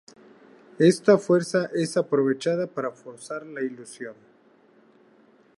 Esta fuerza es aprovechada para forzar la fusión.